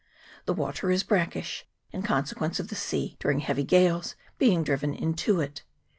The water is brackish, in consequence of the sea, during heavy gales, being driven into it.